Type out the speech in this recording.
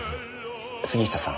杉下さん。